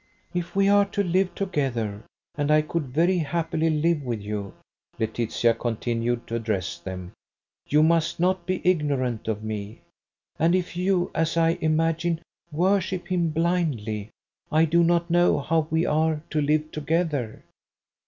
"If we are to live together, and I could very happily live with you," Laetitia continued to address them, "you must not be ignorant of me. And if you, as I imagine, worship him blindly, I do not know how we are to live together.